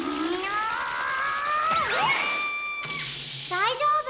だいじょうぶ？